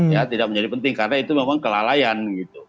ya tidak menjadi penting karena itu memang kelalaian gitu